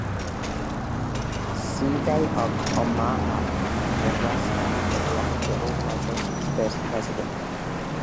Seavey of Omaha, Nebraska, was elected the organization's first president.